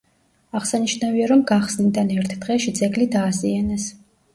აღსანიშნავია, რომ გახსნიდან ერთ დღეში ძეგლი დააზიანეს.